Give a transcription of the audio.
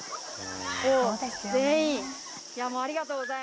全員ありがとうございます。